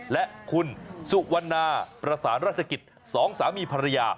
และคุณสุวรรณาประสานราชกิจ๒สามีภรรยา